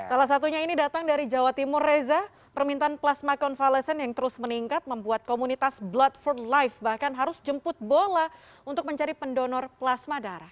salah satunya ini datang dari jawa timur reza permintaan plasma konvalesen yang terus meningkat membuat komunitas blood for life bahkan harus jemput bola untuk mencari pendonor plasma darah